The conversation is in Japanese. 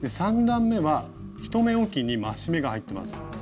３段めは１目おきに増し目が入っています。